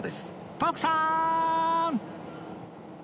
徳さん！